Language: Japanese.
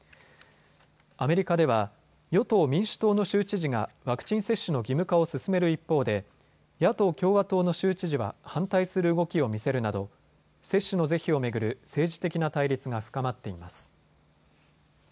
アメリカでは与党民主党の州知事がワクチン接種の義務化を進める一方で野党共和党の州知事は反対する動きを見せるなど接種の是非を巡る政治的な対立が深まっています。